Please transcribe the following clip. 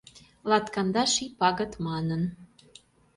Латкандаш ий пагыт манын